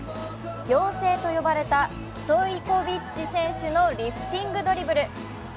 妖精と呼ばれたストイコビッチ選手のリフティングドリブル。